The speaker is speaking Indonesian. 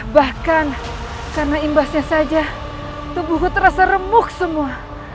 bahkan karena imbasnya saja tubuhku terasa remuk semua